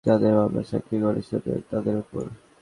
এখন এটা নির্ভর করবে পুলিশ যাঁদের মামলায় সাক্ষী করেছে, তাঁদের ওপর।